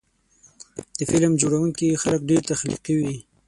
د فلم جوړوونکي خلک ډېر تخلیقي وي.